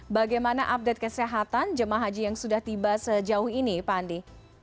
bagaimana update kesehatan jemaah haji yang sudah tiba sejauh ini pak andi